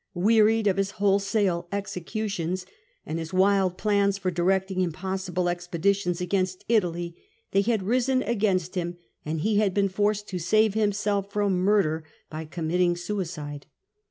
Wearied of his wholesale executions and his wild plans for directing impossible expeditions against Italy, they had risen against him, and he had been forced to save himself from murder by committing suicide.